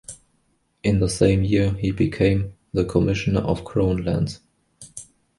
In the same year, he became the commissioner of crown lands.